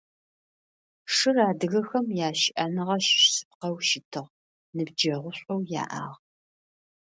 Шыр адыгэхэм ящыӏэныгъэ щыщ шъыпкъэу щытыгъ, ныбджэгъушӏоу яӏагъ.